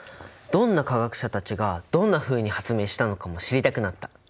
どんな科学者たちがどんなふうに発明したのかも知りたくなった。